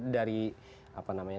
dari apa namanya